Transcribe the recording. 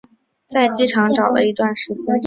在机场找了一段时间